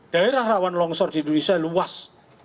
daerah rawan longsor di indonesia luas